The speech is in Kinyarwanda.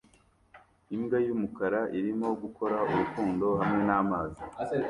Imbwa y'umukara irimo gukora urukundo hamwe n'amazi